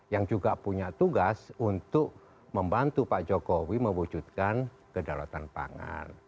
yang juga punya tugas untuk membantu pak jokowi mewujudkan kedaulatan pangan